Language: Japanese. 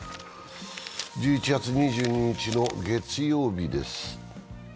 １１月２２日の月曜日です。